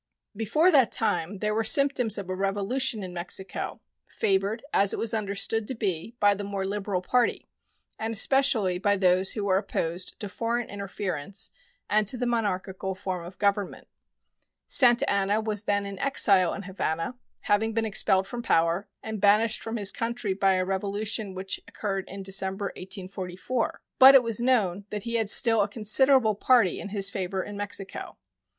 Before that time there were symptoms of a revolution in Mexico, favored, as it was understood to be, by the more liberal party, and especially by those who were opposed to foreign interference and to the monarchical form of government. Santa Anna was then in exile in Havana, having been expelled from power and banished from his country by a revolution which occurred in December, 1844; but it was known that he had still a considerable party in his favor in Mexico.